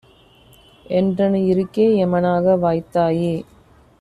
என்றனுயி ருக்கே எமனாக வாய்த்தாயே!